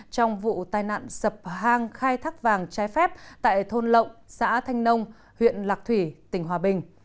trong vụ tai nạn sập hang khai thác vàng trái phép tại thôn lộng xã thanh nông huyện lạc thủy tỉnh hòa bình